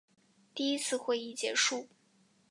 第一次会议结束。